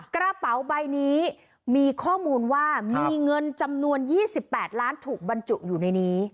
กระเป๋าใบนี้มีข้อมูลว่ามีเงินจำนวน๒๘ล้านถูกบรรจุอยู่ในนี้